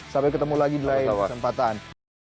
sampai ketemu lagi di lain kesempatan